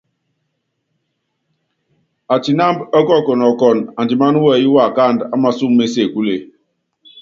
Atinámb ɔ́kɔkɔnɔ kɔn andimán wɛyɛ́ waakándɔ́ á masɔ́m mé sebúle.